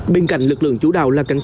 bên cạnh lực lượng chủ đạo là cảnh sát